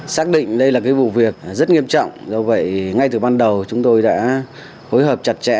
xác định đây là cái vụ việc rất nghiêm trọng do vậy ngay từ ban đầu chúng tôi đã phối hợp chặt chẽ